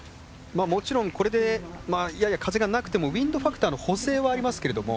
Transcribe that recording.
もちろん、これでやや風がなくてもウインドファクターの補正はありますけれども。